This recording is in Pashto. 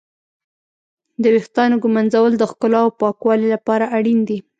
د ويښتانو ږمنځول د ښکلا او پاکوالي لپاره اړين دي.